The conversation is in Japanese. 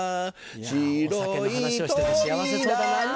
白い扉のお酒の話をしてると幸せそうだな。